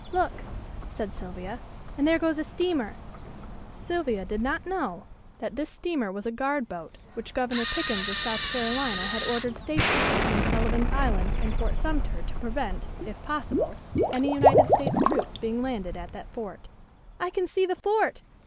Look!" said Sylvia, "and there goes a steamer." Sylvia did not know that this steamer was a guard boat which Governor Pickens of South Carolina had ordered stationed between Sullivan's Island and Fort Sumter to prevent, if possible, any United States troops being landed at that fort. "I can see the fort!"